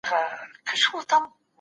نولس تر اتلسو ډېر دي.